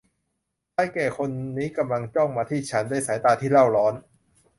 ชายแก่คนนี้กำลังจ้องมองมาที่ฉันด้วยสายตาที่เร่าร้อน